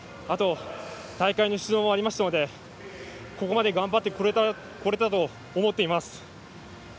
大会の出場もありましたのでここまで頑張ってこれたと思っています。